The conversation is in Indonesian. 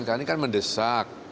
karena ini kan mendesak